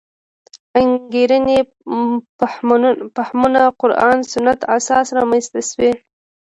انګېرنې فهمونه قران سنت اساس رامنځته شوې.